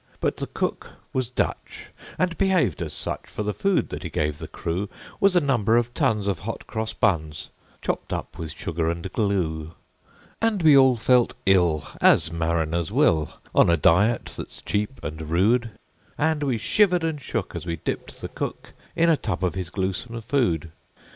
But the cook was Dutch, and behaved as such; For the food that he gave the crew Was a number of tons of hot cross buns, Chopped up with sugar and glue. And we all felt ill as mariners will, On a diet that's cheap and rude; And we shivered and shook as we dipped the cook In a tub of his gluesome food.